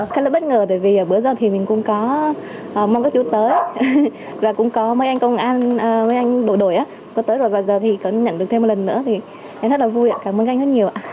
khá là bất ngờ tại vì bữa giờ thì mình cũng có mong các chú tới và cũng có mấy anh công an mấy anh đội đội có tới rồi và giờ thì có nhận được thêm một lần nữa thì em rất là vui ạ cảm ơn anh rất nhiều ạ